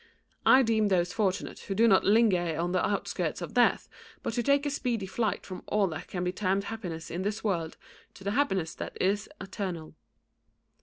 I deem those fortunate who do not long linger on the outksirts of death, but who take a speedy flight from all that can be termed happiness in this world to the happiness that is eternal."